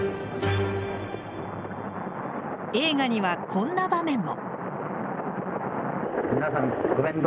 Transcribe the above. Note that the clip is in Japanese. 映画にはこんな場面も。